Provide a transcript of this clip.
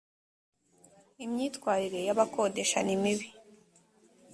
imyitwarire y ‘abakodesha nimibi